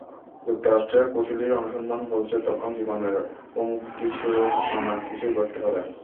যুক্তরাষ্ট্রের কৌঁসুলির অনুসন্ধান বলছে, তখন জীবনের হুমকিস্বরূপ নানা কিছুই ঘটতে পারে।